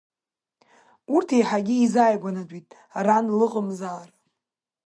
Урҭеиҳагьыеизааигәанатәит ранлыҟамзаара.